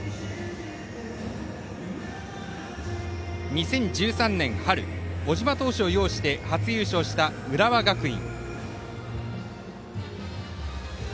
２０１３年春、小島投手を擁して初優勝した浦和学院。